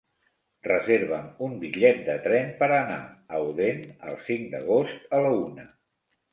Reserva'm un bitllet de tren per anar a Odèn el cinc d'agost a la una.